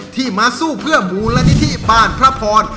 ที่มาสู้เพื่อมูลนิธิบ้านพระพร